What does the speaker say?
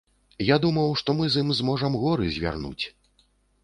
Я думаў, што мы з ім зможам горы звярнуць.